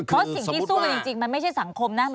เพราะสิ่งที่สู้กันจริงมันไม่ใช่สังคมนะ